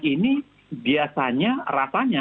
ini biasanya rasanya